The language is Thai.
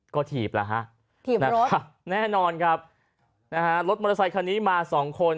ก็ถีบแล้วฮะถีบนะคะแน่นอนครับนะฮะรถมอเตอร์ไซคันนี้มาสองคน